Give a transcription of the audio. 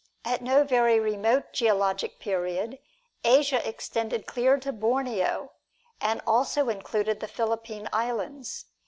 At no very remote geologic period, Asia extended clear to Borneo, and also included the Philippine Islands.